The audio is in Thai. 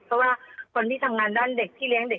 เพราะว่าคนที่ทำงานด้านเด็กที่เลี้ยงเด็ก